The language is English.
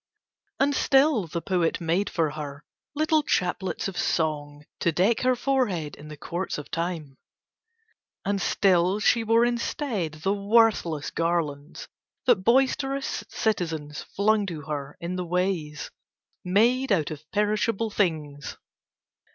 And still the poet made for her little chaplets of song, to deck her forehead in the courts of Time: and still she wore instead the worthless garlands, that boisterous citizens flung to her in the ways, made out of perishable things.